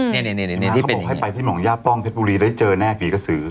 แม่น้ำเขาบอกไปที่หว่างยาป้องเทพบุรีได้เจอแน่กรีกษือ